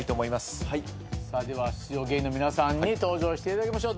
では出場芸人の皆さんに登場していただきましょう。